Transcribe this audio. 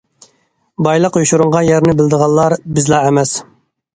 بايلىق يوشۇرۇنغان يەرنى بىلىدىغانلار بىزلا ئەمەس.